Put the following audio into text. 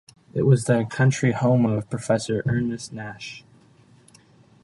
It was the country home of Professor Ernest Nash.